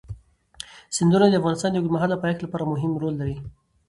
سیندونه د افغانستان د اوږدمهاله پایښت لپاره مهم رول لري.